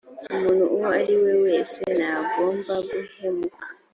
umuntu uwo ari we wese ntagomba guhemuka.